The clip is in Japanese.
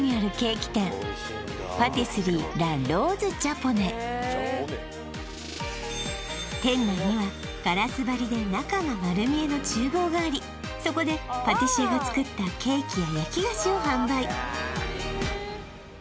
ここは店内にはガラス張りで中が丸見えの厨房がありそこでパティシエが作ったケーキや焼き菓子を販売